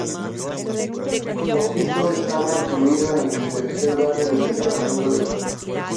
Pocito estaba incluido en el tercer barrio del Departamento del Sur.